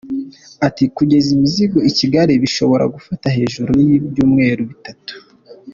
Ati “Kugeza imizigo i Kigali bishobora gufata hejuru y’ibyumweru bitatu.